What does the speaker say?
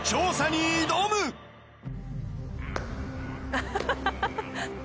ハハハハ！